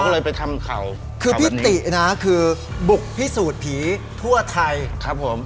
อ๋อเหรอคือพี่ตินะคือบุกพิสูจน์ผีทั่วไทยครับผม